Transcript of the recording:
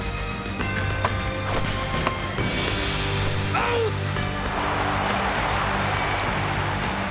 アウト！